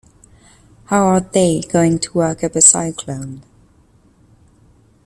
How are "they" going to work up a cyclone?